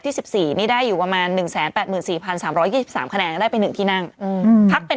๑๔นี่ได้อยู่ประมาณ๑๘๔๓๒๓คะแนนได้ไป๑ที่นั่งพักเป็น